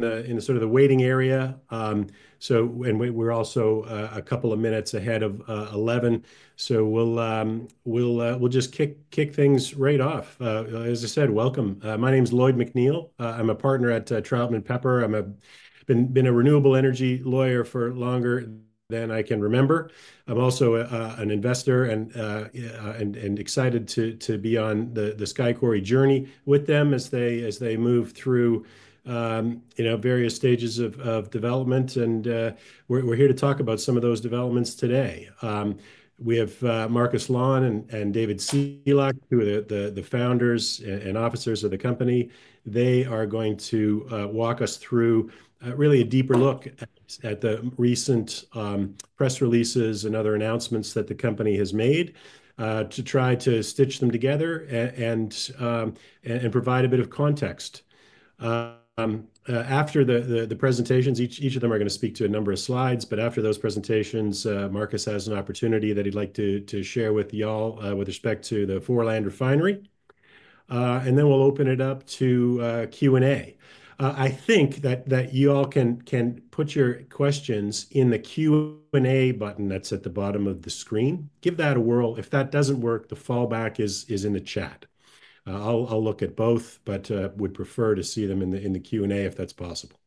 In the sort of the waiting area. So, and we're also a couple of minutes ahead of 11:00. So we'll just kick things right off. As I said, welcome. My name is Lloyd McNeil. I'm a partner at Troutman Pepper. I've been a renewable energy lawyer for longer than I can remember. I'm also an investor and excited to be on the Sky Quarry journey with them as they move through various stages of development. And we're here to talk about some of those developments today. We have Marcus Laun and David Sealock, who are the founders and officers of the company. They are going to walk us through really a deeper look at the recent press releases and other announcements that the company has made to try to stitch them together and provide a bit of context. After the presentations, each of them are going to speak to a number of slides. But after those presentations, Marcus has an opportunity that he'd like to share with y'all with respect to the Foreland Refinery. And then we'll open it up to Q&A. I think that you all can put your questions in the Q&A button that's at the bottom of the screen. Give that a whirl. If that doesn't work, the fallback is in the chat. I'll look at both, but would prefer to see them in the Q&A if that's possible.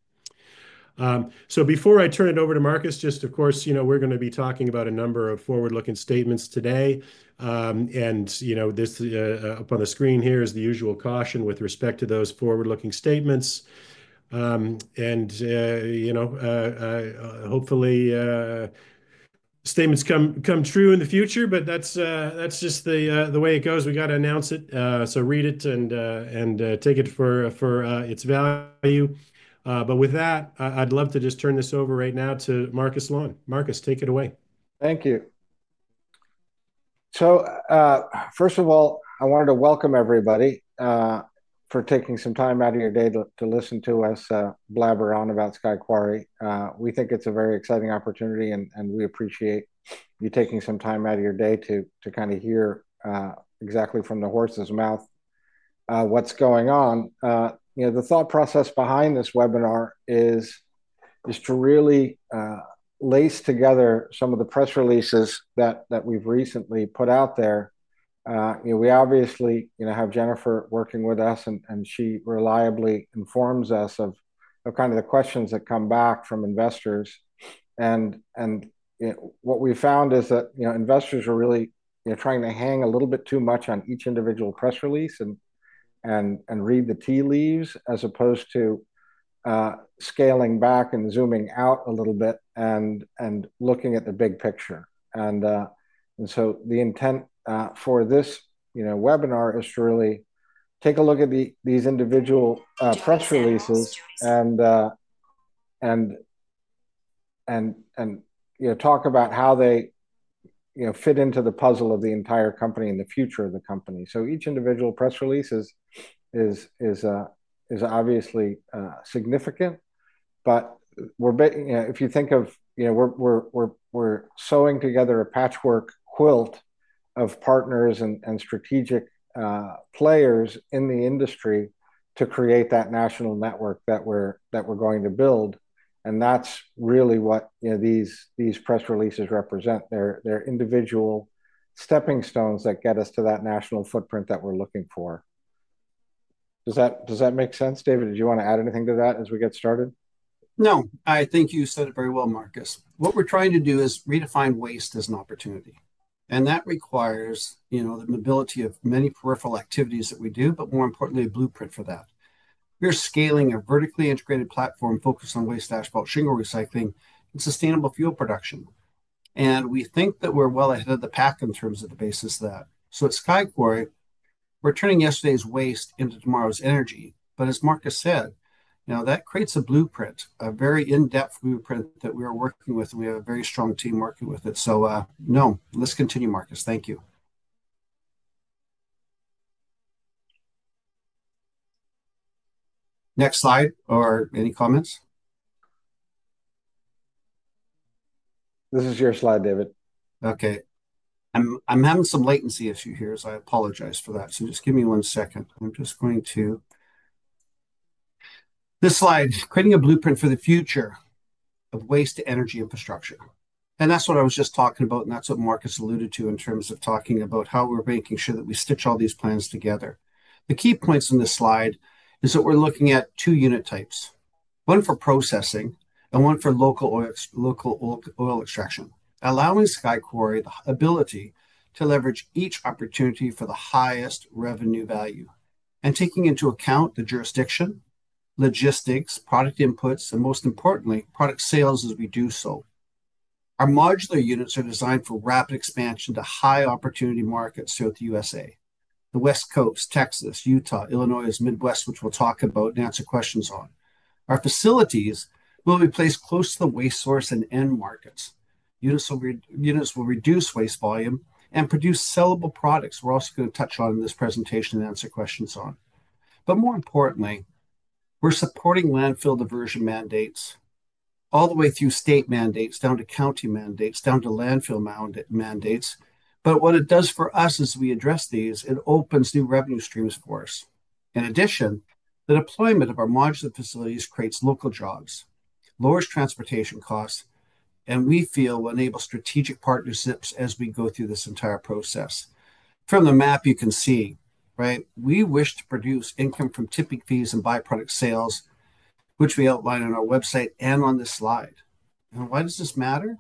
So before I turn it over to Marcus, just, of course, we're going to be talking about a number of forward-looking statements today. And up on the screen here is the usual caution with respect to those forward-looking statements. And hopefully, statements come true in the future, but that's just the way it goes. We got to announce it. So read it and take it for its value. With that, I'd love to just turn this over right now to Marcus Laun. Marcus, take it away. Thank you. First of all, I wanted to welcome everybody for taking some time out of your day to listen to us blabber on about Sky Quarry. We think it's a very exciting opportunity, and we appreciate you taking some time out of your day to kind of hear exactly from the horse's mouth what's going on. The thought process behind this webinar is to really lace together some of the press releases that we've recently put out there. We obviously have Jennifer working with us, and she reliably informs us of kind of the questions that come back from investors. What we found is that investors are really trying to hang a little bit too much on each individual press release and read the tea leaves as opposed to scaling back and zooming out a little bit and looking at the big picture. The intent for this webinar is to really take a look at these individual press releases and talk about how they fit into the puzzle of the entire company and the future of the company. Each individual press release is obviously significant. If you think of it, we're sewing together a patchwork quilt of partners and strategic players in the industry to create that national network that we're going to build. That is really what these press releases represent. They're individual stepping stones that get us to that national footprint that we're looking for. Does that make sense? David, did you want to add anything to that as we get started? No, I think you said it very well, Marcus. What we're trying to do is redefine waste as an opportunity. That requires the mobility of many peripheral activities that we do, but more importantly, a blueprint for that. We're scaling a vertically integrated platform focused on waste asphalt shingle recycling and sustainable fuel production. We think that we're well ahead of the pack in terms of the basis of that. At Sky Quarry, we're turning yesterday's waste into tomorrow's energy. As Marcus said, that creates a blueprint, a very in-depth blueprint that we are working with. We have a very strong team working with it. No, let's continue, Marcus. Thank you. Next slide or any comments? This is your slide, David. Okay. I'm having some latency issue here, so I apologize for that. Just give me one second. I'm just going to this slide, creating a blueprint for the future of waste to energy infrastructure. That's what I was just talking about, and that's what Marcus alluded to in terms of talking about how we're making sure that we stitch all these plans together. The key points on this slide is that we're looking at two unit types, one for processing and one for local oil extraction, allowing Sky Quarry the ability to leverage each opportunity for the highest revenue value and taking into account the jurisdiction, logistics, product inputs, and most importantly, product sales as we do so. Our modular units are designed for rapid expansion to high opportunity markets throughout the U.S.A., the West Coast, Texas, Utah, Illinois, Midwest, which we'll talk about and answer questions on. Our facilities will be placed close to the waste source and end markets. Units will reduce waste volume and produce sellable products we're also going to touch on in this presentation and answer questions on. More importantly, we're supporting landfill diversion mandates all the way through state mandates, down to county mandates, down to landfill mandates. What it does for us as we address these, it opens new revenue streams for us. In addition, the deployment of our modular facilities creates local jobs, lowers transportation costs, and we feel will enable strategic partnerships as we go through this entire process. From the map, you can see, right? We wish to produce income from tipping fees and byproduct sales, which we outline on our website and on this slide. Why does this matter?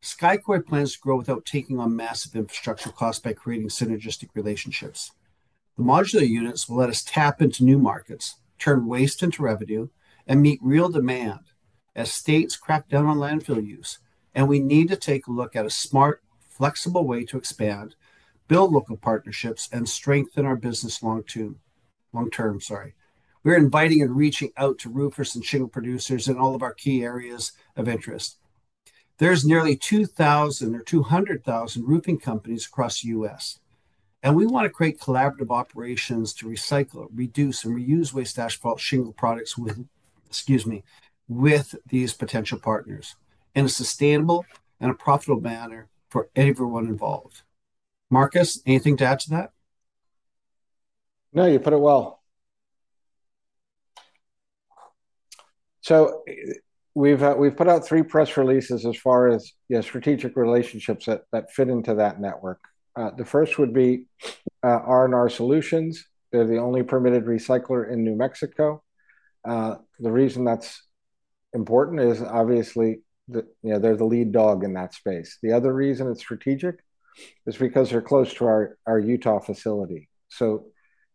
Sky Quarry plans to grow without taking on massive infrastructure costs by creating synergistic relationships. The modular units will let us tap into new markets, turn waste into revenue, and meet real demand as states crack down on landfill use. We need to take a look at a smart, flexible way to expand, build local partnerships, and strengthen our business long-term. We're inviting and reaching out to roofers and shingle producers in all of our key areas of interest. There's nearly 2,000 or 200,000 roofing companies across the U.S. We want to create collaborative operations to recycle, reduce, and reuse waste asphalt shingle products with these potential partners in a sustainable and a profitable manner for everyone involved. Marcus, anything to add to that? No, you put it well. We have put out three press releases as far as strategic relationships that fit into that network. The first would be R&R Solutions. They are the only permitted recycler in New Mexico. The reason that is important is obviously they are the lead dog in that space. The other reason it is strategic is because they are close to our Utah facility.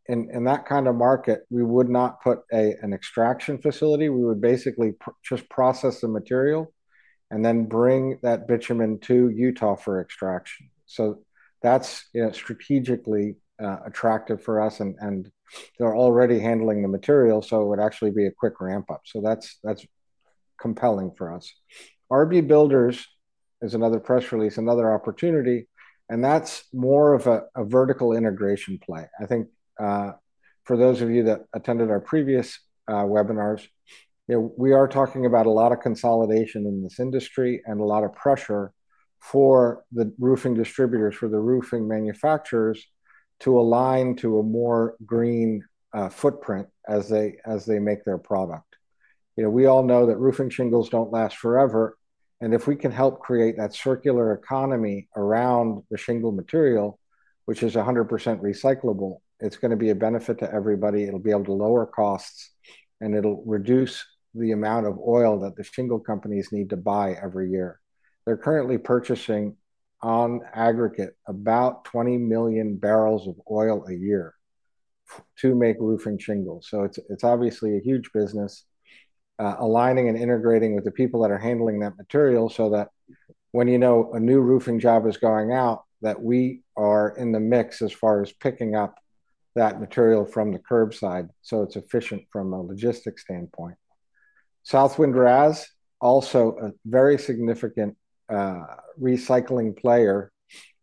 In that kind of market, we would not put an extraction facility. We would basically just process the material and then bring that bitumen to Utah for extraction. That is strategically attractive for us. They are already handling the material, so it would actually be a quick ramp-up. That is compelling for us. R.B Builders is another press release, another opportunity. That is more of a vertical integration play. I think for those of you that attended our previous webinars, we are talking about a lot of consolidation in this industry and a lot of pressure for the roofing distributors, for the roofing manufacturers to align to a more green footprint as they make their product. We all know that roofing shingles do not last forever. If we can help create that circular economy around the shingle material, which is 100% recyclable, it is going to be a benefit to everybody. It will be able to lower costs, and it will reduce the amount of oil that the shingle companies need to buy every year. They are currently purchasing on aggregate about 20 million bbl of oil a year to make roofing shingles. It's obviously a huge business aligning and integrating with the people that are handling that material so that when a new roofing job is going out, we are in the mix as far as picking up that material from the curbside so it's efficient from a logistics standpoint. Southwind RAS is also a very significant recycling player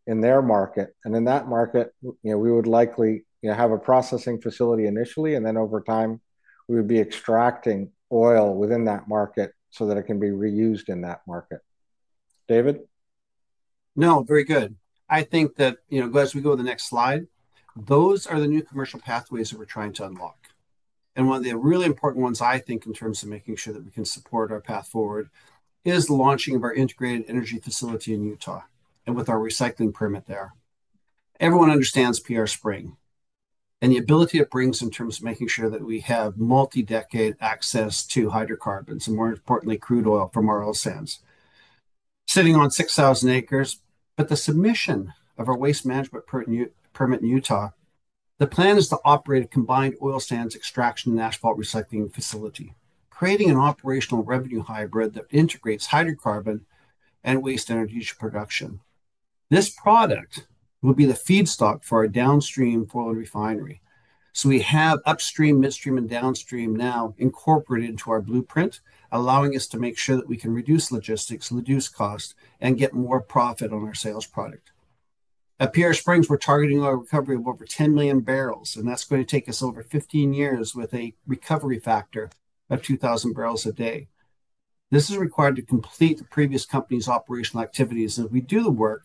in their market. In that market, we would likely have a processing facility initially, and then over time, we would be extracting oil within that market so that it can be reused in that market. David? No, very good. I think that as we go to the next slide, those are the new commercial pathways that we're trying to unlock. One of the really important ones, I think, in terms of making sure that we can support our path forward is the launching of our integrated energy facility in Utah and with our recycling permit there. Everyone understands PR Spring and the ability it brings in terms of making sure that we have multi-decade access to hydrocarbons and, more importantly, crude oil from our oil sands sitting on 6,000 acres. The submission of our waste management permit in Utah, the plan is to operate a combined oil sands extraction and asphalt shingle recycling facility, creating an operational revenue hybrid that integrates hydrocarbon and waste energy production. This product will be the feedstock for our downstream Fallon Refinery. We have upstream, midstream, and downstream now incorporated into our blueprint, allowing us to make sure that we can reduce logistics, reduce costs, and get more profit on our sales product. At PR Spring, we're targeting a recovery of over 10 million bbl. That's going to take us over 15 years with a recovery factor of 2,000 bbl a day. This is required to complete the previous company's operational activities. If we do the work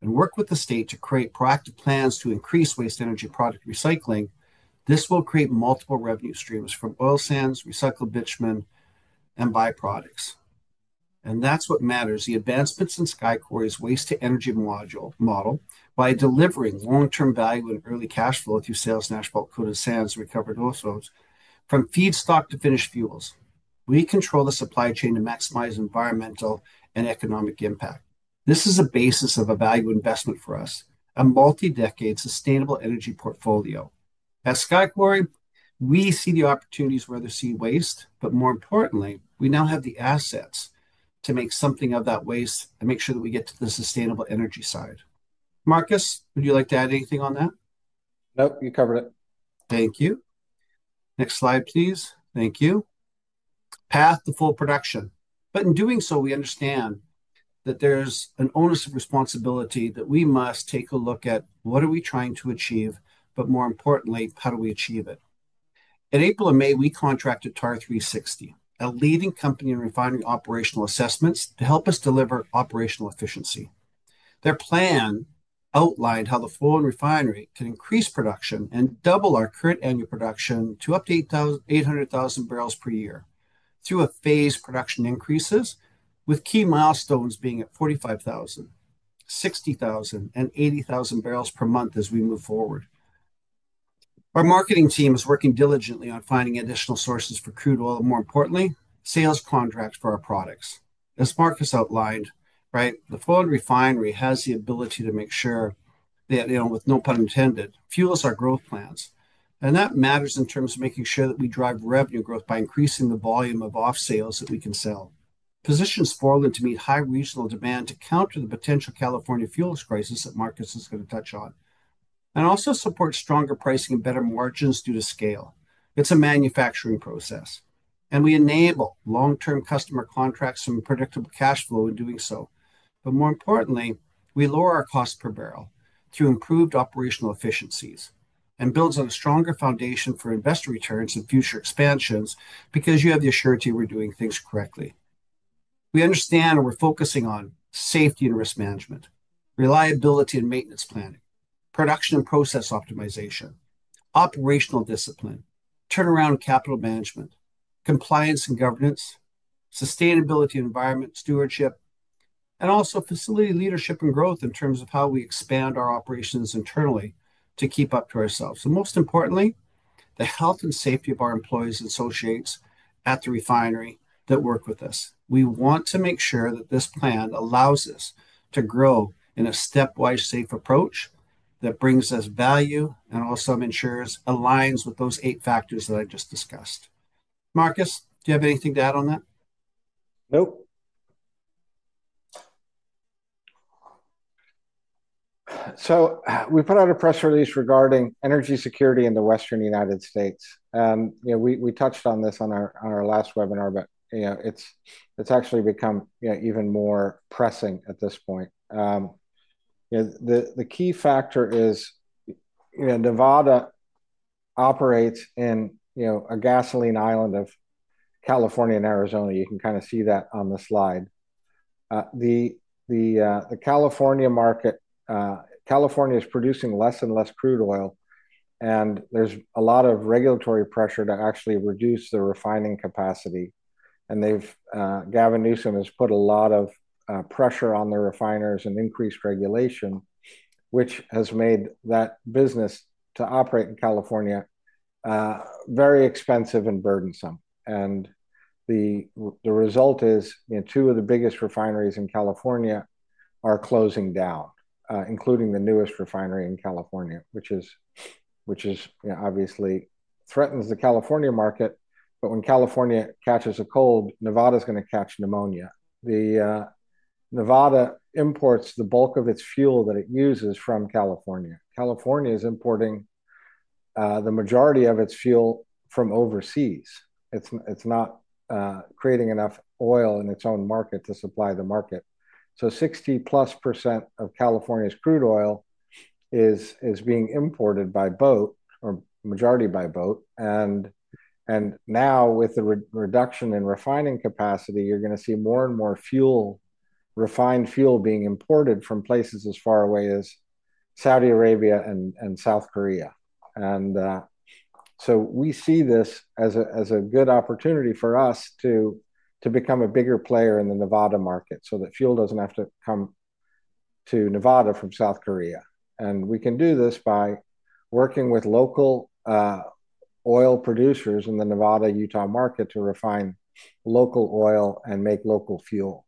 and work with the state to create proactive plans to increase waste energy product recycling, this will create multiple revenue streams from oil sands, recycled bitumen, and byproducts. That is what matters. The advancements in Sky Quarry's Waste-to-Energy model are delivering long-term value and early cash flow through sales in asphalt, crude sands, and recovered oil sourced from feedstock to finished fuels. We control the supply chain to maximize environmental and economic impact. This is a basis of a value investment for us, a multi-decade sustainable energy portfolio. At Sky Quarry, we see the opportunities where there is sea waste. More importantly, we now have the assets to make something of that waste and make sure that we get to the sustainable energy side. Marcus, would you like to add anything on that? Nope, you covered it. Thank you. Next slide, please. Thank you. Path to full production. In doing so, we understand that there's an onus of responsibility that we must take a look at what are we trying to achieve, but more importantly, how do we achieve it? In April and May, we contracted TAR 360, a leading company in refining operational assessments, to help us deliver operational efficiency. Their plan outlined how the Fallon Refinery can increase production and double our current annual production to up to 800,000 bbl per year through phased production increases, with key milestones being at 45,000, 60,000, and 80,000 bbl per month as we move forward. Our marketing team is working diligently on finding additional sources for crude oil and, more importantly, sales contracts for our products. As Marcus outlined, the Fallon Refinery has the ability to make sure that, with no pun intended, fuels our growth plans. That matters in terms of making sure that we drive revenue growth by increasing the volume of off-sales that we can sell. Positions Fallon to meet high regional demand to counter the potential California fuels crisis that Marcus is going to touch on and also support stronger pricing and better margins due to scale. It is a manufacturing process. We enable long-term customer contracts and predictable cash flow in doing so. More importantly, we lower our cost per barrel through improved operational efficiencies and build on a stronger foundation for investor returns and future expansions because you have the assurance you are doing things correctly. We understand and we're focusing on safety and risk management, reliability and maintenance planning, production and process optimization, operational discipline, turnaround capital management, compliance and governance, sustainability environment stewardship, and also facility leadership and growth in terms of how we expand our operations internally to keep up to ourselves. Most importantly, the health and safety of our employees and associates at the refinery that work with us. We want to make sure that this plan allows us to grow in a stepwise safe approach that brings us value and also ensures aligns with those eight factors that I just discussed. Marcus, do you have anything to add on that? Nope. We put out a press release regarding energy security in the Western United States. We touched on this on our last webinar, but it's actually become even more pressing at this point. The key factor is Nevada operates in a gasoline island of California and Arizona. You can kind of see that on the slide. The California market, California is producing less and less crude oil. There is a lot of regulatory pressure to actually reduce the refining capacity. Gavin Newsom has put a lot of pressure on the refiners and increased regulation, which has made that business to operate in California very expensive and burdensome. The result is two of the biggest refineries in California are closing down, including the newest refinery in California, which obviously threatens the California market. When California catches a cold, Nevada is going to catch pneumonia. Nevada imports the bulk of its fuel that it uses from California. California is importing the majority of its fuel from overseas. It's not creating enough oil in its own market to supply the market. So 60+% of California's crude oil is being imported by boat or majority by boat. Now, with the reduction in refining capacity, you're going to see more and more refined fuel being imported from places as far away as Saudi Arabia and South Korea. We see this as a good opportunity for us to become a bigger player in the Nevada market so that fuel doesn't have to come to Nevada from South Korea. We can do this by working with local oil producers in the Nevada-Utah market to refine local oil and make local fuel.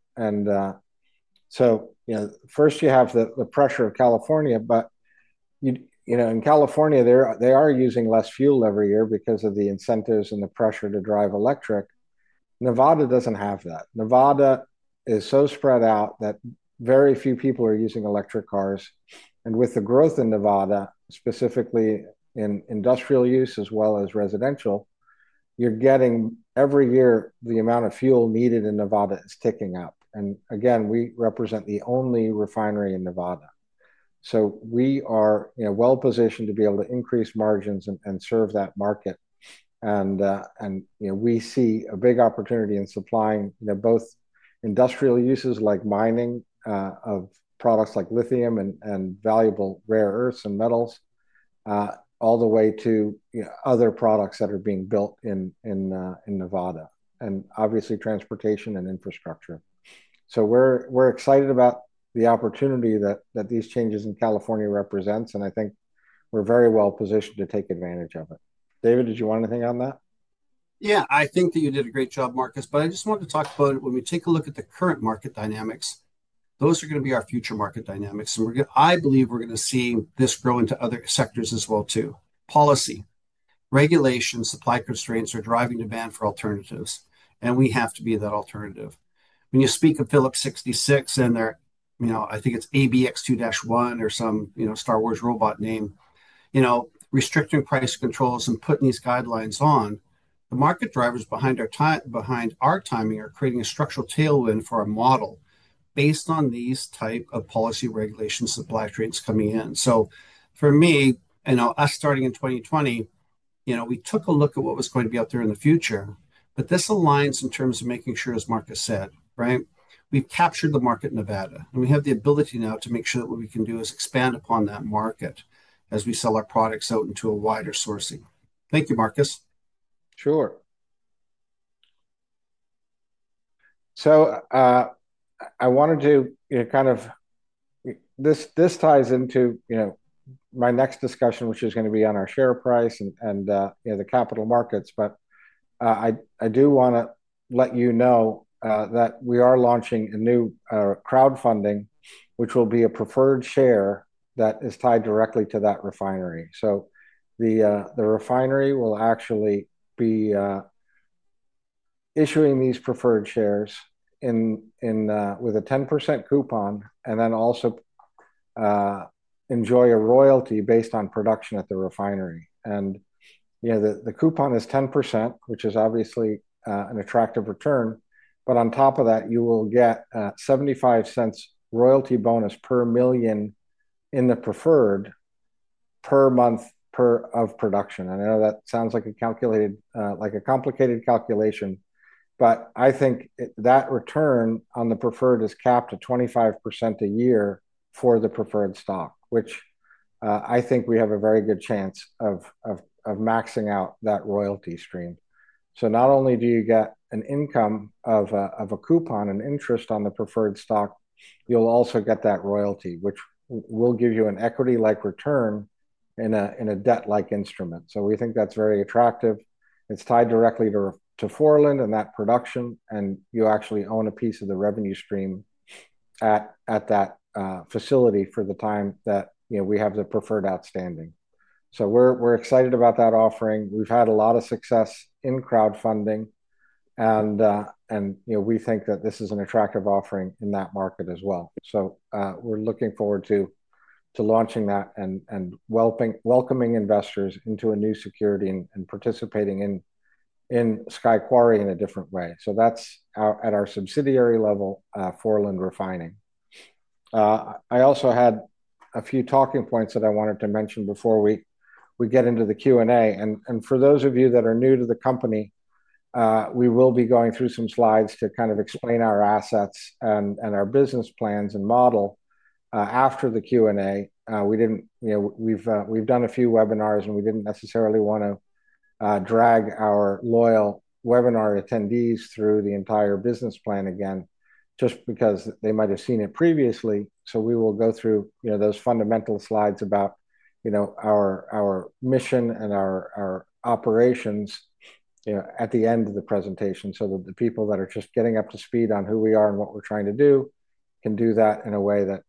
First, you have the pressure of California. In California, they are using less fuel every year because of the incentives and the pressure to drive electric. Nevada does not have that. Nevada is so spread out that very few people are using electric cars. With the growth in Nevada, specifically in industrial use as well as residential, every year the amount of fuel needed in Nevada is ticking up. Again, we represent the only refinery in Nevada. We are well-positioned to be able to increase margins and serve that market. We see a big opportunity in supplying both industrial uses like mining of products like Lithium and valuable rare earths and metals all the way to other products that are being built in Nevada and obviously transportation and infrastructure. We are excited about the opportunity that these changes in California represent. I think we're very well-positioned to take advantage of it. David, did you want anything on that? Yeah, I think that you did a great job, Marcus. I just wanted to talk about when we take a look at the current market dynamics, those are going to be our future market dynamics. I believe we're going to see this grow into other sectors as well, too. Policy, regulation, supply constraints are driving demand for alternatives. We have to be that alternative. When you speak of Phillips 66, and I think it's ABX2-1 or some Star Wars robot name, restricting price controls and putting these guidelines on, the market drivers behind our timing are creating a structural tailwind for our model based on these types of policy regulations supply chains coming in. For me, us starting in 2020, we took a look at what was going to be out there in the future. This aligns in terms of making sure, as Marcus said, we've captured the market in Nevada. We have the ability now to make sure that what we can do is expand upon that market as we sell our products out into a wider sourcing. Thank you, Marcus. Sure. I wanted to kind of this ties into my next discussion, which is going to be on our share price and the capital markets. I do want to let you know that we are launching a new crowdfunding, which will be a preferred share that is tied directly to that refinery. The refinery will actually be issuing these preferred shares with a 10% coupon and then also enjoy a royalty based on production at the refinery. The coupon is 10%, which is obviously an attractive return. On top of that, you will get a $0.75 royalty bonus per million in the preferred per month of production. I know that sounds like a complicated calculation. I think that return on the preferred is capped at 25% a year for the preferred stock, which I think we have a very good chance of maxing out that royalty stream. Not only do you get an income of a coupon and interest on the preferred stock, you'll also get that royalty, which will give you an equity-like return in a debt-like instrument. We think that's very attractive. It's tied directly to fuel and that production. You actually own a piece of the revenue stream at that facility for the time that we have the preferred outstanding. We're excited about that offering. We've had a lot of success in crowdfunding. We think that this is an attractive offering in that market as well. We're looking forward to launching that and welcoming investors into a new security and participating in Sky Quarry in a different way. That's at our subsidiary level, Fallon Refinery. I also had a few talking points that I wanted to mention before we get into the Q&A. For those of you that are new to the company, we will be going through some slides to kind of explain our assets and our business plans and model after the Q&A. We've done a few webinars, and we didn't necessarily want to drag our loyal webinar attendees through the entire business plan again just because they might have seen it previously. We will go through those fundamental slides about our mission and our operations at the end of the presentation so that the people that are just getting up to speed on who we are and what we're trying to do can do that in a way that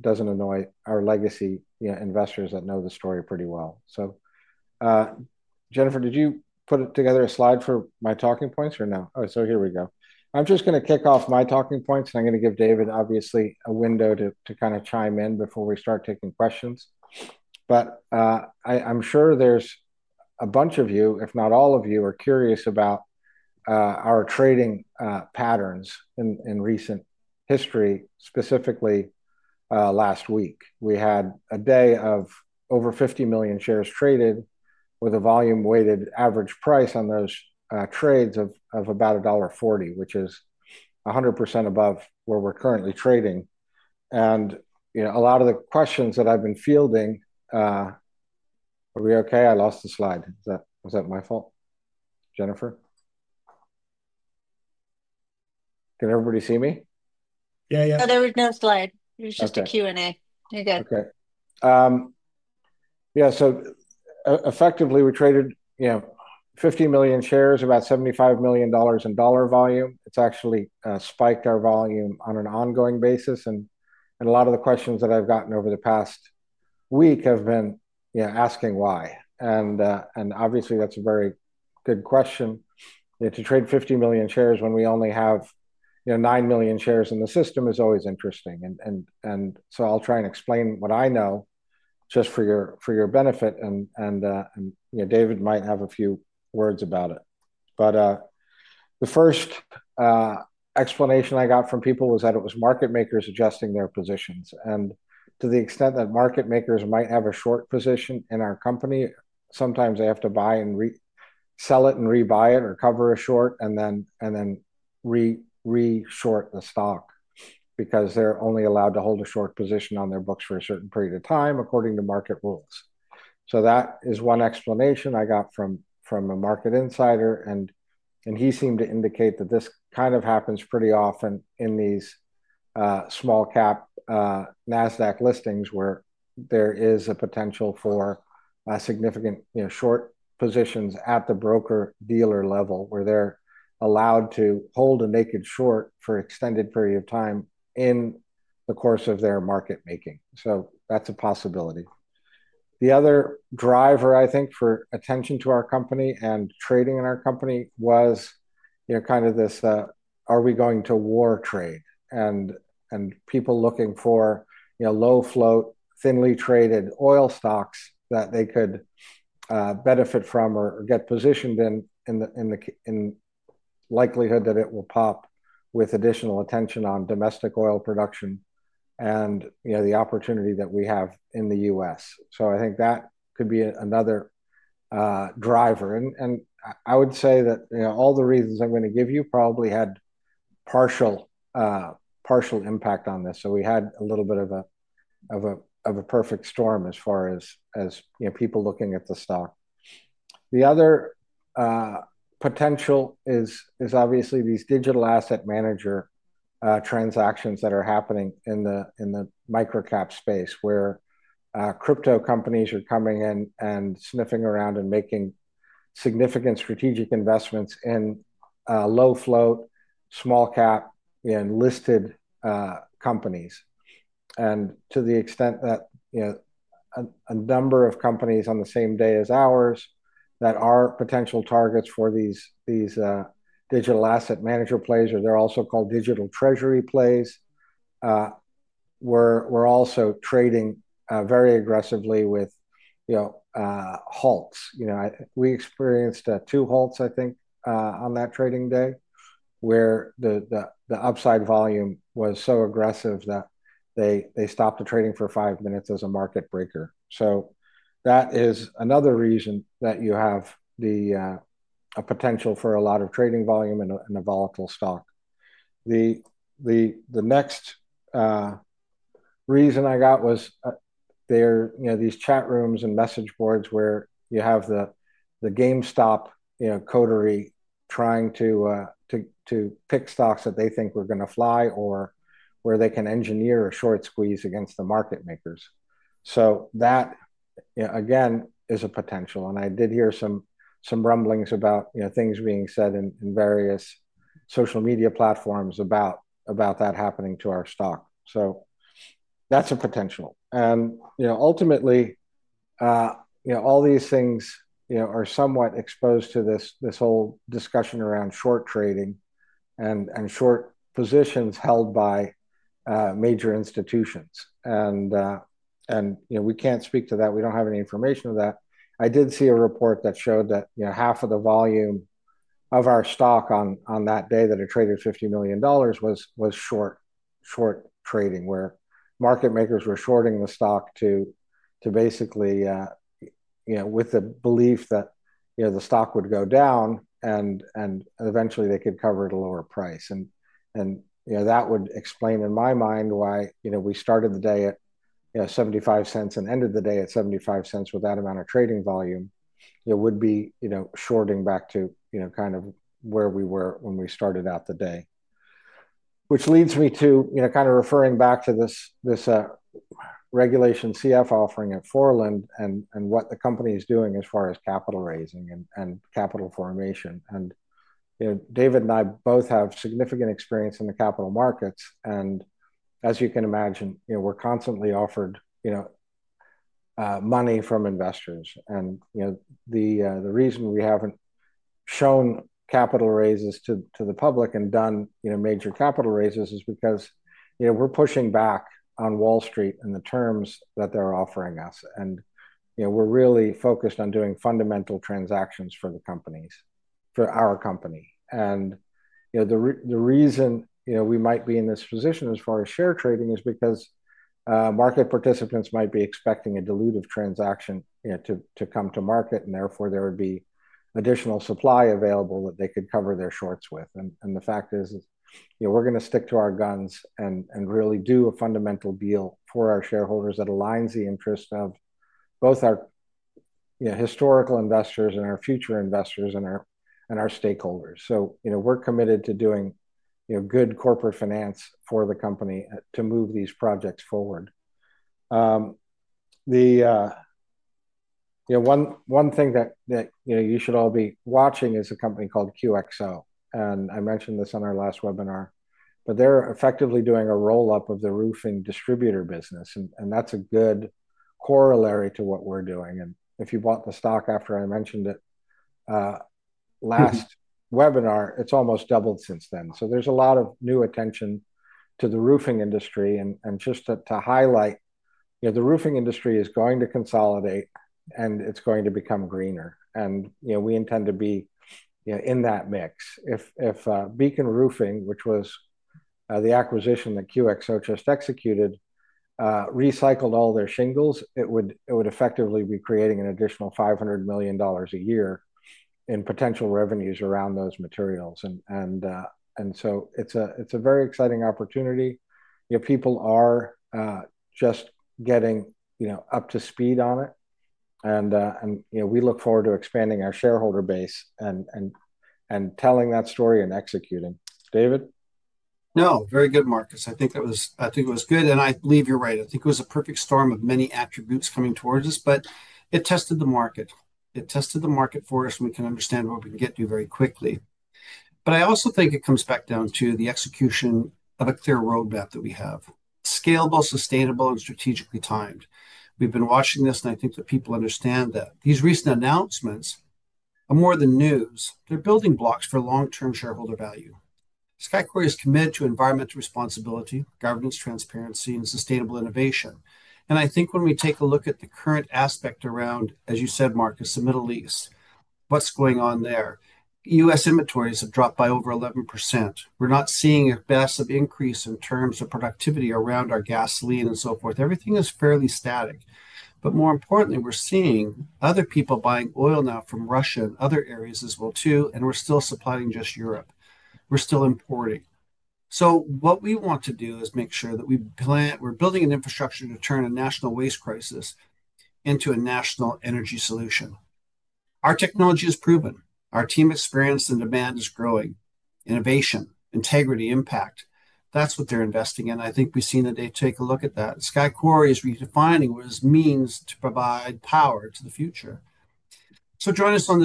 does not annoy our legacy investors that know the story pretty well. Jennifer, did you put together a slide for my talking points or no? Oh, here we go. I am just going to kick off my talking points. I am going to give David, obviously, a window to kind of chime in before we start taking questions. I am sure there is a bunch of you, if not all of you, who are curious about our trading patterns in recent history, specifically last week. We had a day of over 50 million shares traded with a volume-weighted average price on those trades of about $1.40, which is 100% above where we're currently trading. A lot of the questions that I've been fielding are we OK? I lost the slide. Was that my fault? Jennifer? Can everybody see me? Yeah, yeah. There was no slide. It was just a Q&A. You're good. OK. Yeah, so effectively, we traded 50 million shares, about $75 million in dollar volume. It's actually spiked our volume on an ongoing basis. A lot of the questions that I've gotten over the past week have been asking why. Obviously, that's a very good question. To trade 50 million shares when we only have 9 million shares in the system is always interesting. I'll try and explain what I know just for your benefit. David might have a few words about it. The first explanation I got from people was that it was market makers adjusting their positions. To the extent that market makers might have a short position in our company, sometimes they have to buy and sell it and rebuy it or cover a short and then reshort the stock because they are only allowed to hold a short position on their books for a certain period of time according to market rules. That is one explanation I got from a market insider. He seemed to indicate that this kind of happens pretty often in these small-cap Nasdaq Listings where there is a potential for significant short positions at the broker-dealer level where they are allowed to hold a naked short for an extended period of time in the course of their market making. That is a possibility. The other driver, I think, for attention to our company and trading in our company was kind of this, are we going to war trade? People looking for low-float, thinly traded oil stocks that they could benefit from or get positioned in the likelihood that it will pop with additional attention on domestic oil production and the opportunity that we have in the US. I think that could be another driver. I would say that all the reasons I am going to give you probably had partial impact on this. We had a little bit of a perfect storm as far as people looking at the stock. The other potential is obviously these digital asset manager transactions that are happening in the microcap space where crypto companies are coming in and sniffing around and making significant strategic investments in low-float, small-cap, and listed companies. To the extent that a number of companies on the same day as ours that are potential targets for these digital asset manager plays, or they are also called digital treasury plays, were also trading very aggressively with halts. We experienced two halts, I think, on that trading day where the upside volume was so aggressive that they stopped the trading for five minutes as a market breaker. That is another reason that you have a potential for a lot of trading volume in a volatile stock. The next reason I got was these chat rooms and message boards where you have the GameStop coterie trying to pick stocks that they think were going to fly or where they can engineer a short squeeze against the market makers. That, again, is a potential. I did hear some rumblings about things being said in various social media platforms about that happening to our stock. That is a potential. Ultimately, all these things are somewhat exposed to this whole discussion around short trading and short positions held by major institutions. We cannot speak to that. We do not have any information on that. I did see a report that showed that half of the volume of our stock on that day that had traded $50 million was short trading, where market makers were shorting the stock basically with the belief that the stock would go down and eventually they could cover at a lower price. That would explain, in my mind, why we started the day at $0.75 and ended the day at $0.75 with that amount of trading volume would be shorting back to kind of where we were when we started out the day. Which leads me to kind of referring back to this regulation CF offering at Fallon and what the company is doing as far as capital raising and capital formation. David and I both have significant experience in the capital markets. As you can imagine, we're constantly offered money from investors. The reason we haven't shown capital raises to the public and done major capital raises is because we're pushing back on Wall Street and the terms that they're offering us. We're really focused on doing fundamental transactions for the companies, for our company. The reason we might be in this position as far as share trading is because market participants might be expecting a dilutive transaction to come to market. Therefore, there would be additional supply available that they could cover their shorts with. The fact is we're going to stick to our guns and really do a fundamental deal for our shareholders that aligns the interests of both our historical investors and our future investors and our stakeholders. We're committed to doing good corporate finance for the company to move these projects forward. One thing that you should all be watching is a company called QXO. I mentioned this on our last webinar. They're effectively doing a roll-up of the roofing distributor business. That's a good corollary to what we're doing. If you bought the stock after I mentioned it last webinar, it's almost doubled since then. There is a lot of new attention to the roofing industry. Just to highlight, the roofing industry is going to consolidate. It is going to become greener. We intend to be in that mix. If Beacon Roofing, which was the acquisition that QXO just executed, recycled all their shingles, it would effectively be creating an additional $500 million a year in potential revenues around those materials. It is a very exciting opportunity. People are just getting up to speed on it. We look forward to expanding our shareholder base and telling that story and executing. David? No, very good, Marcus. I think it was good. I believe you're right. I think it was a perfect storm of many attributes coming towards us. It tested the market. It tested the market for us. We can understand what we can get to very quickly. I also think it comes back down to the execution of a clear roadmap that we have: scalable, sustainable, and strategically timed. We've been watching this. I think that people understand that these recent announcements are more than news. They're building blocks for long-term shareholder value. Sky Quarry is committed to environmental responsibility, governance, transparency, and sustainable innovation. I think when we take a look at the current aspect around, as you said, Marcus, the Middle East, what's going on there, US inventories have dropped by over 11%. We're not seeing a massive increase in terms of productivity around our gasoline and so forth. Everything is fairly static. More importantly, we're seeing other people buying oil now from Russia and other areas as well too. We're still supplying just Europe. We're still importing. What we want to do is make sure that we're building an infrastructure to turn a national waste crisis into a national energy solution. Our technology is proven. Our team experience and demand is growing. Innovation, integrity, impact, that's what they're investing in. I think we've seen that they take a look at that. Sky Quarry is redefining what it means to provide power to the future. Join us on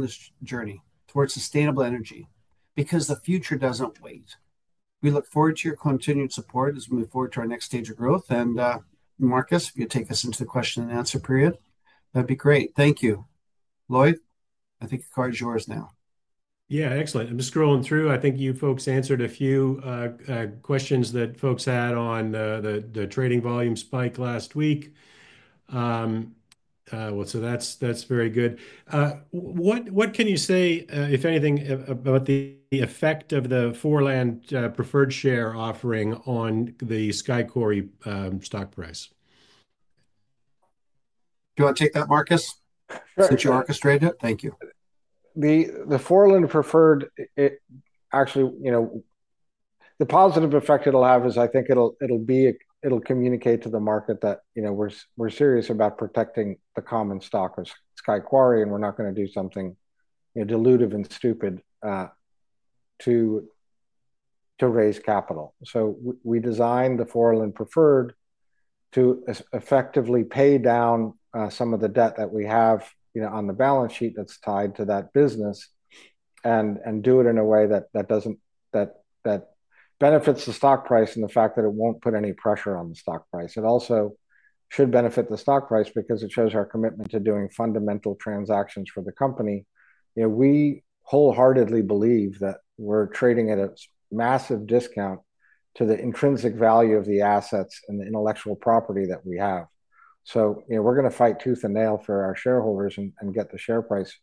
this journey towards sustainable energy because the future doesn't wait. We look forward to your continued support as we move forward to our next stage of growth. Marcus, if you take us into the question and answer period, that'd be great. Thank you. Lloyd, I think the card is yours now. Yeah, excellent. I'm just scrolling through. I think you folks answered a few questions that folks had on the trading volume spike last week. That's very good. What can you say, if anything, about the effect of the Foreland preferred share offering on the Sky Quarry stock price? Do you want to take that, Marcus, since you orchestrated it? Thank you. The Foreland preferred, actually, the positive effect it'll have is I think it'll communicate to the market that we're serious about protecting the common stock of Sky Quarry. We're not going to do something dilutive and stupid to raise capital. We designed the Foreland preferred to effectively pay down some of the debt that we have on the balance sheet that's tied to that business and do it in a way that benefits the stock price and the fact that it won't put any pressure on the stock price. It also should benefit the stock price because it shows our commitment to doing fundamental transactions for the company. We wholeheartedly believe that we're trading at a massive discount to the intrinsic value of the assets and the intellectual property that we have. We're going to fight tooth and nail for our shareholders and get the share price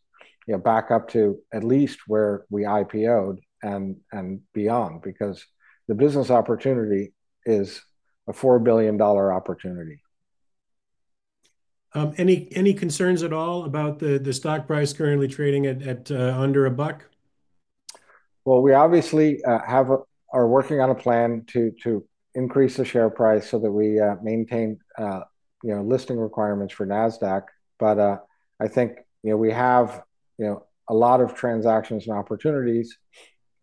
back up to at least where we IPO'd and beyond because the business opportunity is a $4 billion opportunity. Any concerns at all about the stock price currently trading at under a buck? We obviously are working on a plan to increase the share price so that we maintain listing requirements for Nasdaq. I think we have a lot of transactions and opportunities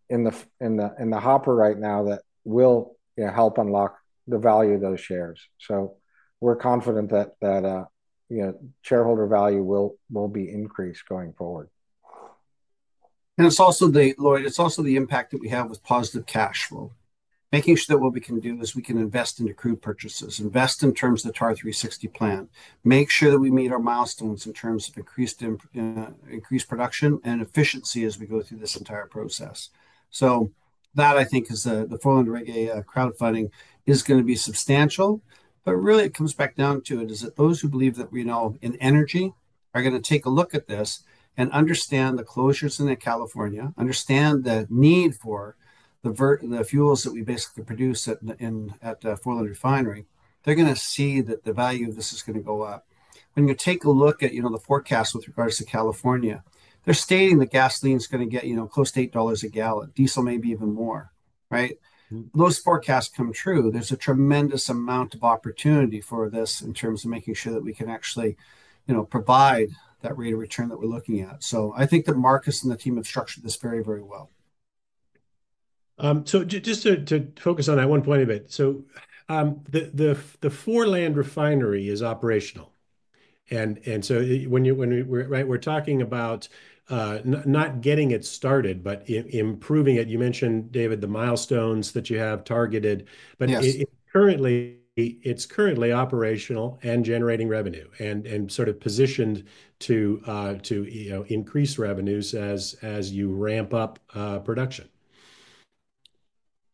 in the hopper right now that will help unlock the value of those shares. We are confident that shareholder value will be increased going forward. It is also the, Lloyd, it is also the impact that we have with positive cash flow. Making sure that what we can do is we can invest into crude purchases, invest in terms of the TAR360 plan, make sure that we meet our milestones in terms of increased production and efficiency as we go through this entire process. That, I think, is the Foreland Reg A crowdfunding is going to be substantial. Really, it comes back down to it is that those who believe that we know in energy are going to take a look at this and understand the closures in California, understand the need for the fuels that we basically produce at Foreland Refinery, they are going to see that the value of this is going to go up. When you take a look at the forecasts with regards to California, they're stating that gasoline is going to get close to $8 a gallon. Diesel may be even more. If those forecasts come true, there's a tremendous amount of opportunity for this in terms of making sure that we can actually provide that rate of return that we're looking at. I think that Marcus and the team have structured this very, very well. Just to focus on that one point a bit. The Fallon Refinery is operational. When we're talking about not getting it started but improving it, you mentioned, David, the milestones that you have targeted. It's currently operational and generating revenue and sort of positioned to increase revenues as you ramp up production.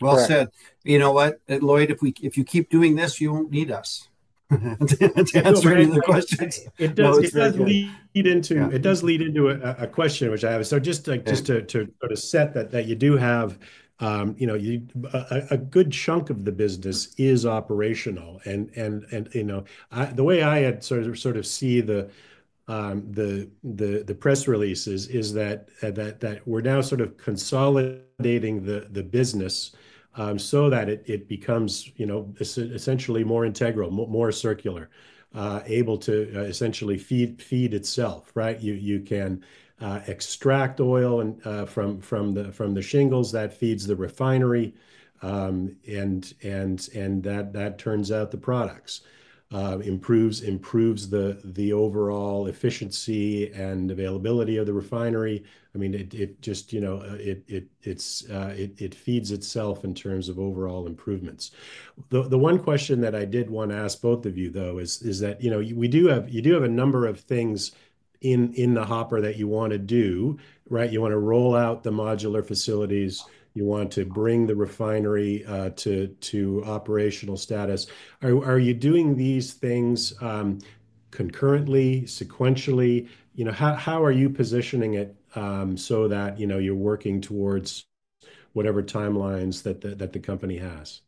Well said. You know what? Lloyd, if you keep doing this, you won't need us to answer any of the questions. It does lead into a question which I have. Just to sort of set that, you do have a good chunk of the business is operational. The way I sort of see the press releases is that we're now sort of consolidating the business so that it becomes essentially more integral, more circular, able to essentially feed itself. You can extract oil from the shingles that feeds the refinery. That turns out the products, improves the overall efficiency and availability of the refinery. I mean, it feeds itself in terms of overall improvements. The one question that I did want to ask both of you, though, is that we do have a number of things in the hopper that you want to do. You want to roll out the modular facilities. You want to bring the refinery to operational status. Are you doing these things concurrently, sequentially? How are you positioning it so that you're working towards whatever timelines that the company has?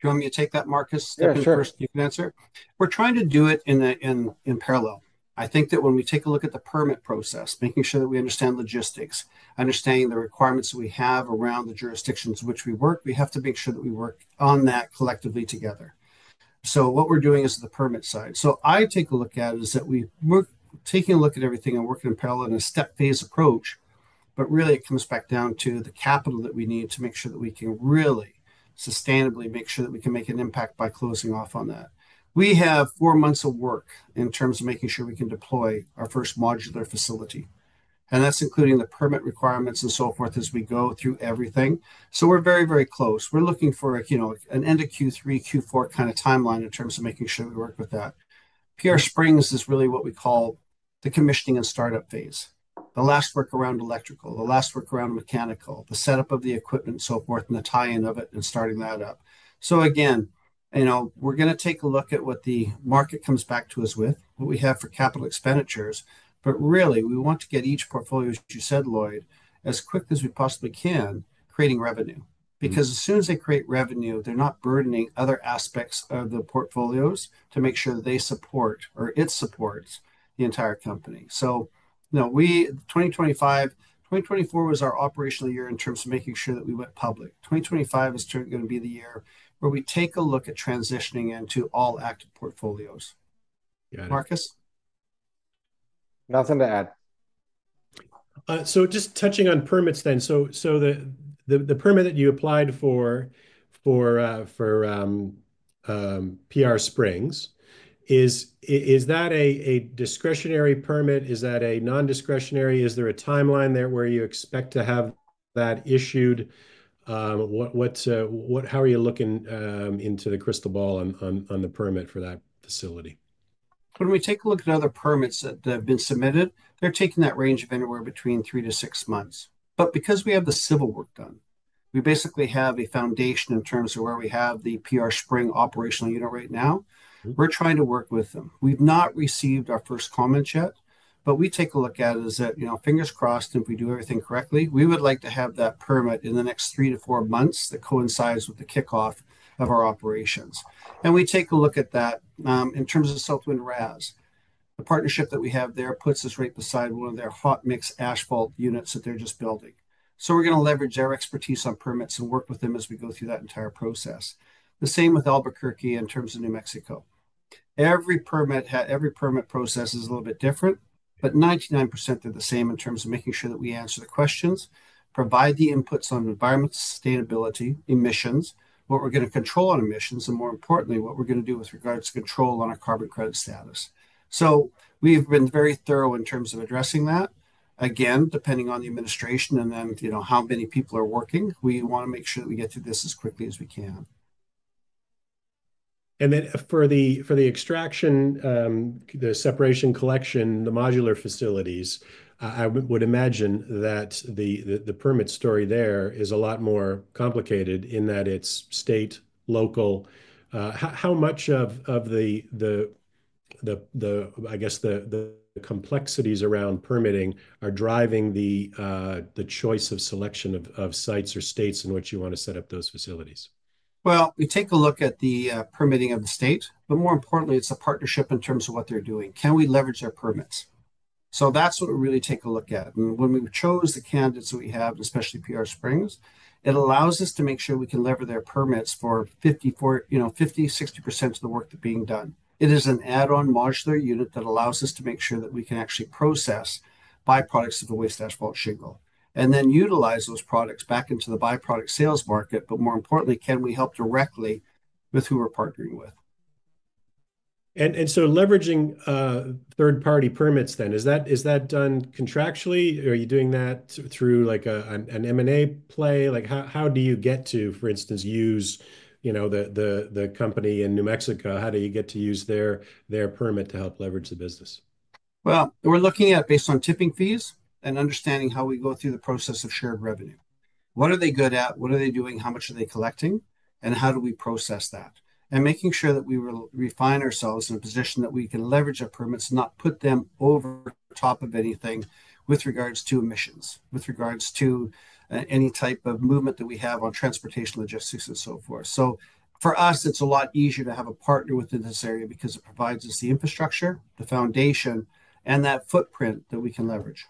Do you want me to take that, Marcus? Yeah, sure. You can answer? We're trying to do it in parallel. I think that when we take a look at the permit process, making sure that we understand logistics, understanding the requirements that we have around the jurisdictions in which we work, we have to make sure that we work on that collectively together. What we're doing is the permit side. I take a look at it as that we're taking a look at everything and working in parallel in a step-phase approach. It comes back down to the capital that we need to make sure that we can really sustainably make sure that we can make an impact by closing off on that. We have four months of work in terms of making sure we can deploy our first modular facility. That's including the permit requirements and so forth as we go through everything. We're very, very close. We're looking for an end of Q3, Q4 kind of timeline in terms of making sure we work with that. PR Spring is really what we call the commissioning and startup phase, the last workaround electrical, the last workaround mechanical, the setup of the equipment, so forth, and the tie-in of it and starting that up. Again, we're going to take a look at what the market comes back to us with, what we have for capital expenditures. Really, we want to get each portfolio, as you said, Lloyd, as quick as we possibly can, creating revenue. Because as soon as they create revenue, they're not burdening other aspects of the portfolios to make sure that they support or it supports the entire company. 2025, 2024 was our operational year in terms of making sure that we went public. 2025 is going to be the year where we take a look at transitioning into all active portfolios. Marcus? Nothing to add. Just touching on permits then. The permit that you applied for PR Spring, is that a discretionary permit? Is that a non-discretionary? Is there a timeline there where you expect to have that issued? How are you looking into the crystal ball on the permit for that facility? When we take a look at other permits that have been submitted, they're taking that range of anywhere between three to six months. Because we have the civil work done, we basically have a foundation in terms of where we have the PR Spring operational unit right now. We're trying to work with them. We've not received our first comments yet. We take a look at it as that, fingers crossed, if we do everything correctly, we would like to have that permit in the next three to four months. That coincides with the kickoff of our operations. We take a look at that in terms of Southwind RAS. The partnership that we have there puts us right beside one of their hot mix asphalt units that they're just building. We're going to leverage their expertise on permits and work with them as we go through that entire process. The same with Albuquerque in terms of New Mexico. Every permit process is a little bit different. However, 99% are the same in terms of making sure that we answer the questions, provide the inputs on environmental sustainability, emissions, what we're going to control on emissions, and more importantly, what we're going to do with regards to control on our carbon credit status. We've been very thorough in terms of addressing that. Again, depending on the administration and then how many people are working, we want to make sure that we get through this as quickly as we can. For the extraction, the separation collection, the modular facilities, I would imagine that the permit story there is a lot more complicated in that it's state, local. How much of the, I guess, the complexities around permitting are driving the choice of selection of sites or states in which you want to set up those facilities? We take a look at the permitting of the state. More importantly, it's a partnership in terms of what they're doing. Can we leverage their permits? That's what we really take a look at. When we chose the candidates that we have, especially PR Spring, it allows us to make sure we can lever their permits for 50-60% of the work that's being done. It is an add-on modular unit that allows us to make sure that we can actually process byproducts of the waste asphalt shingle and then utilize those products back into the byproduct sales market. More importantly, can we help directly with who we're partnering with? Leveraging third-party permits then, is that done contractually? Are you doing that through an M&A play? How do you get to, for instance, use the company in New Mexico? How do you get to use their permit to help leverage the business? We're looking at based on tipping fees and understanding how we go through the process of shared revenue. What are they good at? What are they doing? How much are they collecting? How do we process that? Making sure that we refine ourselves in a position that we can leverage our permits, not put them over top of anything with regards to emissions, with regards to any type of movement that we have on transportation logistics and so forth. For us, it's a lot easier to have a partner within this area because it provides us the infrastructure, the foundation, and that footprint that we can leverage.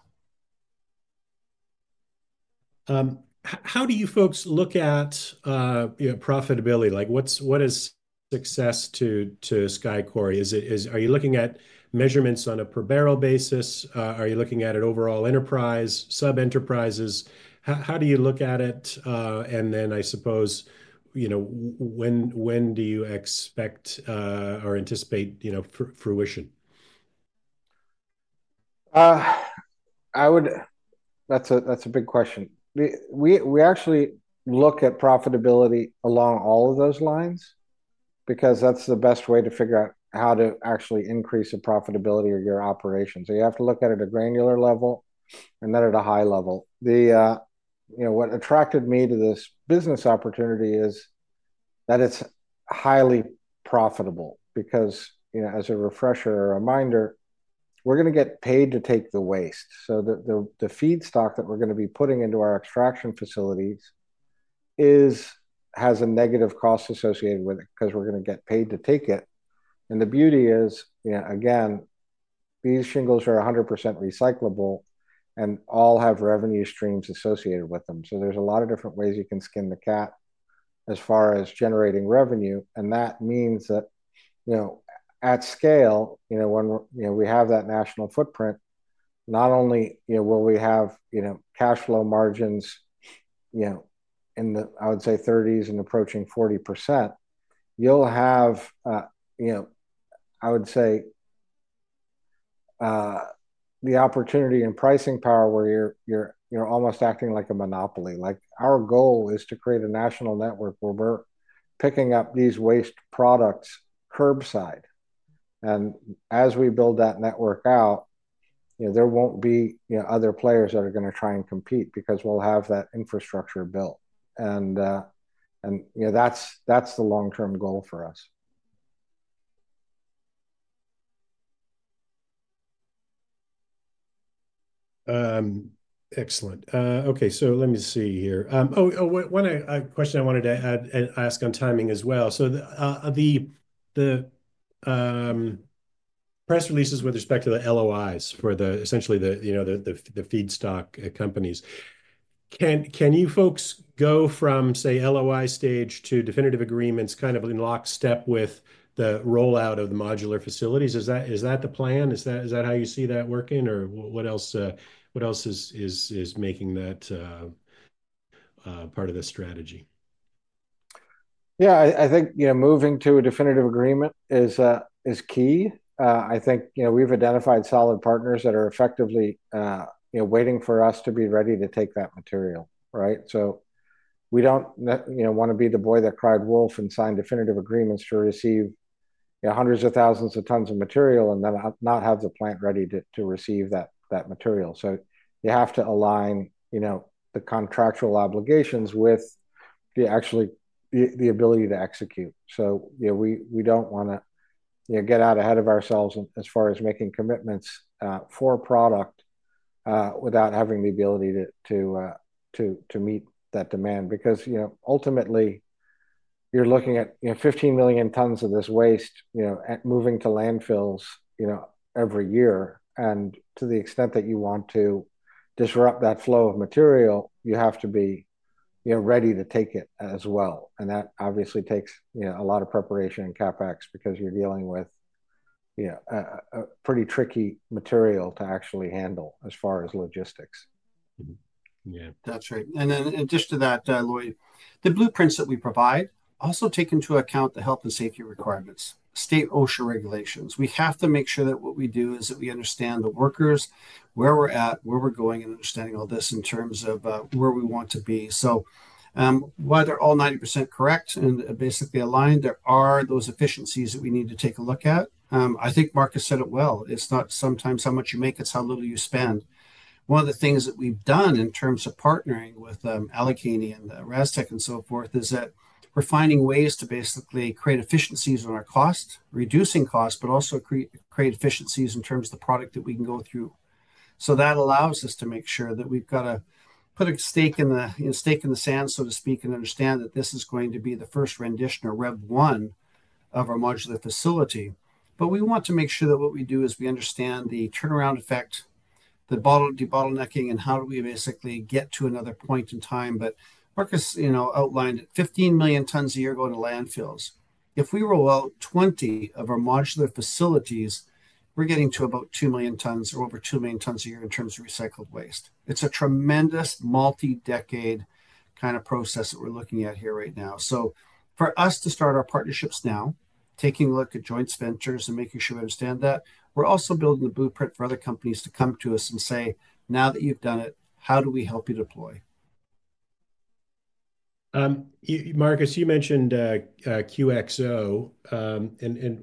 How do you folks look at profitability? What is success to Sky Quarry? Are you looking at measurements on a per barrel basis? Are you looking at an overall enterprise, sub-enterprises? How do you look at it? I suppose, when do you expect or anticipate fruition? That's a big question. We actually look at profitability along all of those lines because that's the best way to figure out how to actually increase the profitability of your operations. You have to look at it at a granular level and then at a high level. What attracted me to this business opportunity is that it's highly profitable because, as a refresher or reminder, we're going to get paid to take the waste. The feedstock that we're going to be putting into our extraction facilities has a negative cost associated with it because we're going to get paid to take it. The beauty is, again, these shingles are 100% recyclable and all have revenue streams associated with them. There's a lot of different ways you can skin the cat as far as generating revenue. That means that at scale, when we have that national footprint, not only will we have cash flow margins in the, I would say, 30% - 40% range, you'll have, I would say, the opportunity and pricing power where you're almost acting like a monopoly. Our goal is to create a national network where we're picking up these waste products curbside. As we build that network out, there will not be other players that are going to try and compete because we'll have that infrastructure built. That is the long-term goal for us. Excellent. Okay. Let me see here. Oh, one question I wanted to ask on timing as well. The press releases with respect to the LOIs for essentially the feedstock companies, can you folks go from, say, LOI stage to definitive agreements kind of in lockstep with the rollout of the modular facilities? Is that the plan? Is that how you see that working? What else is making that part of the strategy? Yeah. I think moving to a definitive agreement is key. I think we've identified solid partners that are effectively waiting for us to be ready to take that material. We don't want to be the boy that cried wolf and signed definitive agreements to receive hundreds of thousands of tons of material and then not have the plant ready to receive that material. You have to align the contractual obligations with actually the ability to execute. We don't want to get out ahead of ourselves as far as making commitments for product without having the ability to meet that demand. Ultimately, you're looking at 15 million tons of this waste moving to landfills every year. To the extent that you want to disrupt that flow of material, you have to be ready to take it as well. That obviously takes a lot of preparation and CapEx because you're dealing with a pretty tricky material to actually handle as far as logistics. Yeah. That's right. In addition to that, Lloyd, the blueprints that we provide also take into account the health and safety requirements, state OSHA regulations. We have to make sure that what we do is that we understand the workers, where we're at, where we're going, and understanding all this in terms of where we want to be. While they're all 90% correct and basically aligned, there are those efficiencies that we need to take a look at. I think Marcus said it well. It's not sometimes how much you make, it's how little you spend. One of the things that we've done in terms of partnering with Allegheny and Raztek and so forth is that we're finding ways to basically create efficiencies on our cost, reducing cost, but also create efficiencies in terms of the product that we can go through. That allows us to make sure that we've got to put a stake in the sand, so to speak, and understand that this is going to be the first rendition or rev one of our modular facility. We want to make sure that what we do is we understand the turnaround effect, the bottlenecking, and how do we basically get to another point in time. Marcus outlined 15 million tons a year going to landfills. If we roll out 20 of our modular facilities, we're getting to about 2 million tons or over 2 million tons a year in terms of recycled waste. It's a tremendous multi-decade kind of process that we're looking at here right now. For us to start our partnerships now, taking a look at joint ventures and making sure we understand that, we're also building the blueprint for other companies to come to us and say, "Now that you've done it, how do we help you deploy?" Marcus, you mentioned QXO.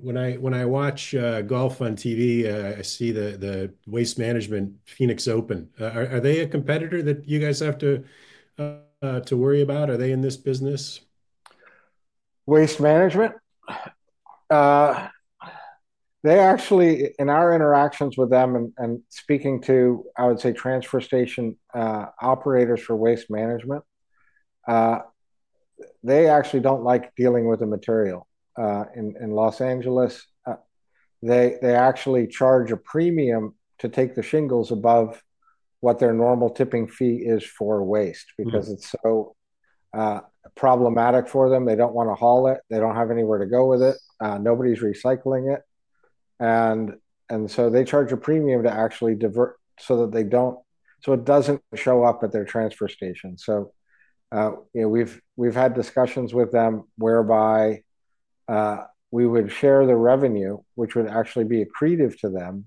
When I watch golf on TV, I see the Waste Management Phoenix Open. Are they a competitor that you guys have to worry about? Are they in this business? Waste Management? In our interactions with them and speaking to, I would say, transfer station operators for Waste Management, they actually don't like dealing with the material. In Los Angeles, they actually charge a premium to take the shingles above what their normal tipping fee is for waste because it's so problematic for them. They don't want to haul it. They don't have anywhere to go with it. Nobody's recycling it. They charge a premium to actually divert so that it doesn't show up at their transfer station. We've had discussions with them whereby we would share the revenue, which would actually be accretive to them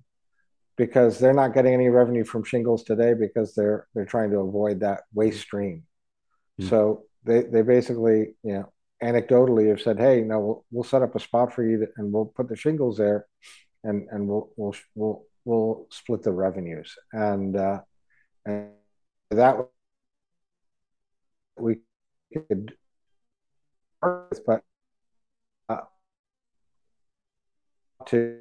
because they're not getting any revenue from shingles today because they're trying to avoid that waste stream. They basically, anecdotally, have said, "Hey, we'll set up a spot for you, and we'll put the shingles there, and we'll split the revenues." That we could work with. To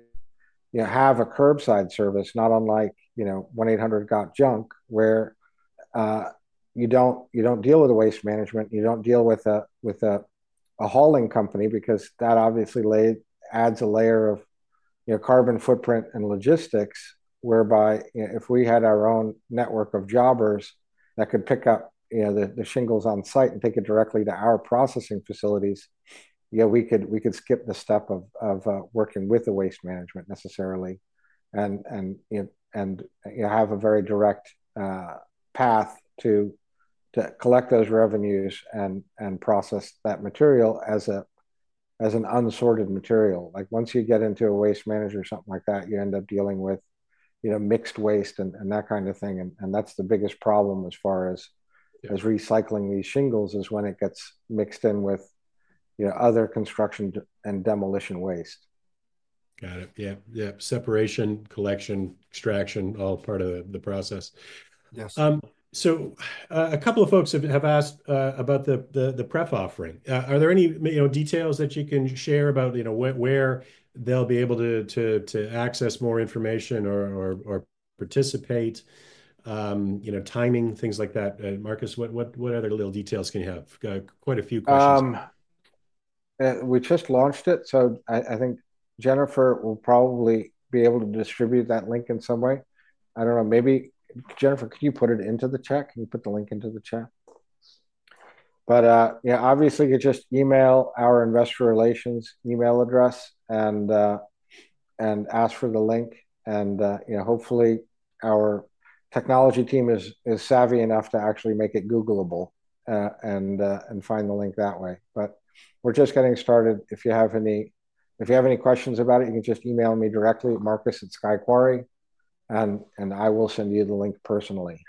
have a curbside service, not unlike 1-800-GOT-JUNK, where you do not deal with Waste Management, you do not deal with a hauling company because that obviously adds a layer of carbon footprint and logistics, whereby if we had our own network of jobbers that could pick up the shingles on site and take it directly to our processing facilities, we could skip the step of working with Waste Management necessarily and have a very direct path to collect those revenues and process that material as an unsorted material. Once you get into a Waste Manager or something like that, you end up dealing with mixed waste and that kind of thing. That's the biggest problem as far as recycling these shingles is when it gets mixed in with other construction and demolition waste. Got it. Yep. Yep. Separation, collection, extraction, all part of the process. A couple of folks have asked about the prep offering. Are there any details that you can share about where they'll be able to access more information or participate, timing, things like that? Marcus, what other little details can you have? Quite a few questions. We just launched it. I think Jennifer will probably be able to distribute that link in some way. I do not know. Maybe Jennifer, can you put it into the chat? Can you put the link into the chat? Yeah, obviously, just email our investor relations email address and ask for the link. Hopefully, our technology team is savvy enough to actually make it Google-able and find the link that way. We are just getting started. If you have any questions about it, you can just email me directly, Marcus at Sky Quarry, and I will send you the link personally.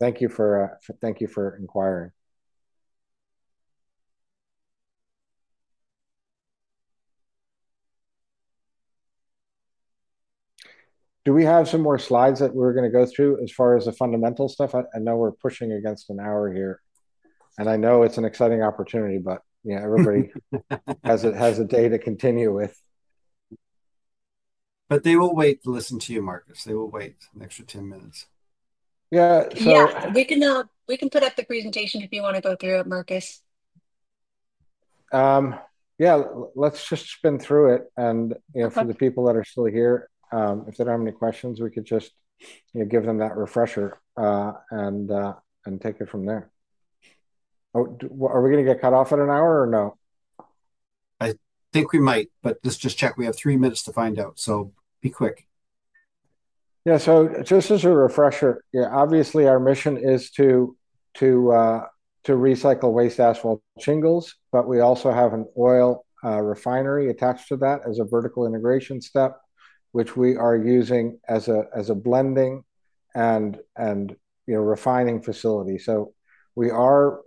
Thank you for inquiring. Do we have some more slides that we are going to go through as far as the fundamental stuff? I know we are pushing against an hour here. I know it is an exciting opportunity, but everybody has a day to continue with. They will wait to listen to you, Marcus. They will wait an extra 10 minutes. Yeah. We can put up the presentation if you want to go through it, Marcus. Yeah. Let's just spin through it. For the people that are still here, if they don't have any questions, we could just give them that refresher and take it from there. Are we going to get cut off at an hour or no? I think we might. Let's just check. We have three minutes to find out. Be quick. Yeah. Just as a refresher, obviously, our mission is to recycle waste asphalt shingles, but we also have an oil refinery attached to that as a vertical integration step, which we are using as a blending and refining facility. We are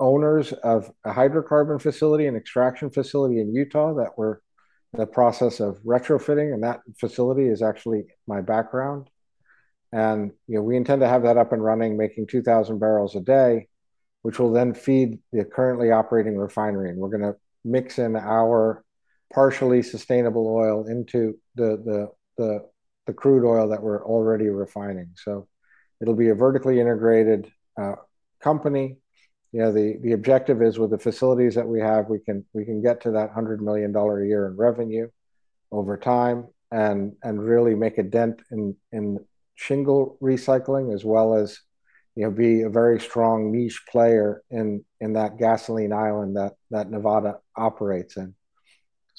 owners of a Hydrocarbon facility, an extraction facility in Utah that we're in the process of retrofitting. That facility is actually my background. We intend to have that up and running, making 2,000 bbl a day, which will then feed the currently operating refinery. We're going to mix in our partially sustainable oil into the crude oil that we're already refining. It'll be a vertically integrated company. The objective is with the facilities that we have, we can get to that $100 million a year in revenue over time and really make a dent in shingle recycling as well as be a very strong niche player in that gasoline island that Nevada operates in.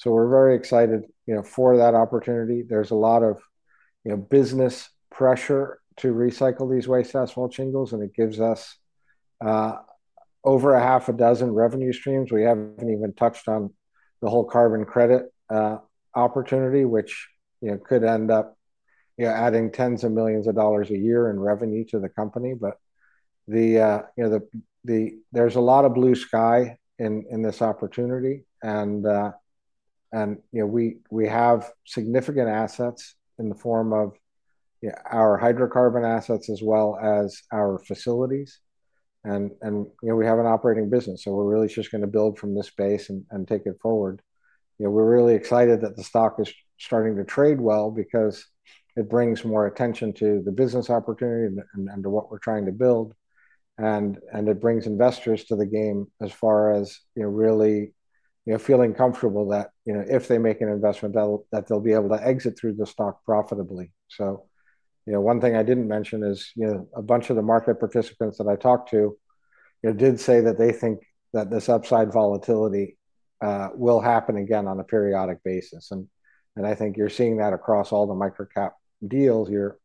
We are very excited for that opportunity. There is a lot of business pressure to recycle these waste asphalt shingles, and it gives us over a half a dozen revenue streams. We have not even touched on the whole carbon credit opportunity, which could end up adding tens of millions of dollars a year in revenue to the company. There is a lot of blue sky in this opportunity. We have significant assets in the form of our hydrocarbon assets as well as our facilities. We have an operating business. We're really just going to build from this base and take it forward. We're really excited that the stock is starting to trade well because it brings more attention to the business opportunity and to what we're trying to build. It brings investors to the game as far as really feeling comfortable that if they make an investment, they'll be able to exit through the stock profitably. One thing I didn't mention is a bunch of the market participants that I talked to did say that they think that this upside volatility will happen again on a periodic basis. I think you're seeing that across all the micro-cap deals. You're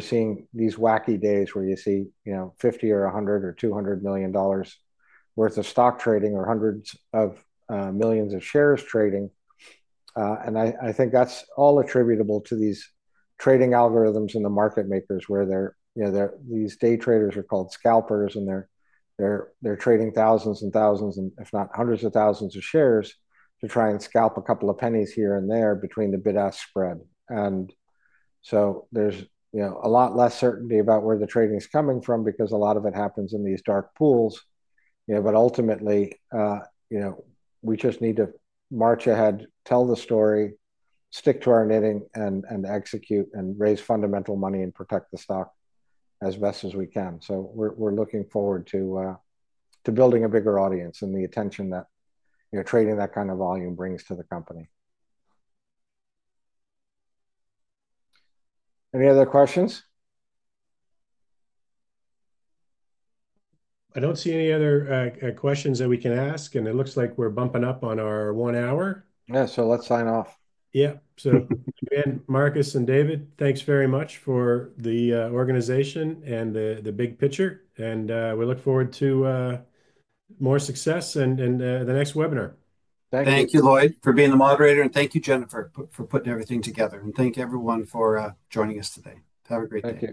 seeing these wacky days where you see $50 million or $100 million or $200 million worth of stock trading or hundreds of millions of shares trading. I think that's all attributable to these trading algorithms in the market makers where these day traders are called scalpers, and they're trading thousands and thousands, if not hundreds of thousands of shares to try and scalp a couple of pennies here and there between the bid-ask spread. There is a lot less certainty about where the trading is coming from because a lot of it happens in these dark pools. Ultimately, we just need to march ahead, tell the story, stick to our knitting, and execute and raise fundamental money and protect the stock as best as we can. We're looking forward to building a bigger audience and the attention that trading that kind of volume brings to the company. Any other questions? I don't see any other questions that we can ask. It looks like we're bumping up on our one hour. Yeah. So let's sign off. Yeah. So again, Marcus and David, thanks very much for the organization and the big picture. We look forward to more success and the next webinar. Thank you. Thank you, Lloyd, for being the moderator. Thank you, Jennifer, for putting everything together. Thank you, everyone, for joining us today. Have a great day.